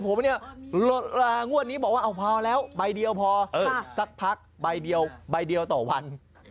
ผมเนี่ยงวดนี้บอกว่าเอาพอแล้วใบเดียวพอสักพักใบเดียวใบเดียวต่อวัน